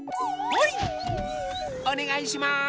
おねがいします。